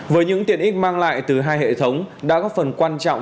với những tiện ích mang lại từ hai hệ thống đã góp phần quan trọng